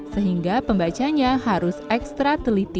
sehingga pembacanya harus ekstra teliti